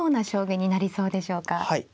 はい。